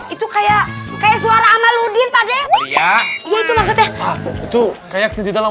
itu kayak kayak suara amaludin pada ya iya itu maksudnya itu kayak tidak